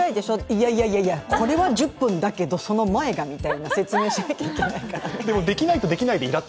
いやいやいやいや、これは１０分だけど、その前がって説明しないといけないから。